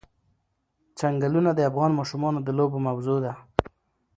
چنګلونه د افغان ماشومانو د لوبو موضوع ده.